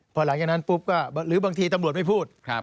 พอหลังจากนั้นปุ๊บก็หรือบางทีตำรวจไม่พูด